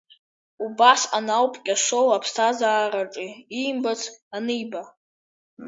Убасҟан ауп Кьасоу аԥсҭазаараҿы иимбац аниба.